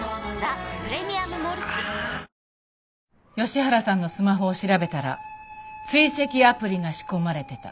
あー吉原さんのスマホを調べたら追跡アプリが仕込まれてた。